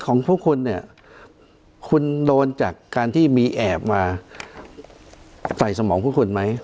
ของพวกคุณเนี่ยคุณโดนจากการที่มีแอบมาใส่สมองพวกคุณไหม